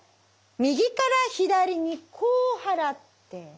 右から左にこう払って。